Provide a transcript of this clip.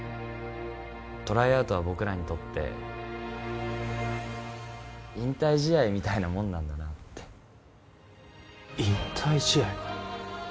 トライアウトは僕らにとって引退試合みたいなもんなんだなって引退試合？